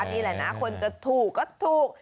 นี่แหละนะคนจะถูกก็ถูก